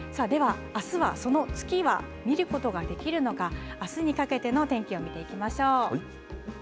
次は見ることができるのかあすにかけての天気を見ていきましょう。